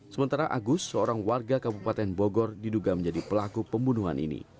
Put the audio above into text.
sementara agus seorang warga kabupaten bogor diduga menjadi pelaku pembunuhan ini